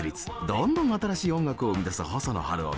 どんどん新しい音楽を生み出す細野晴臣。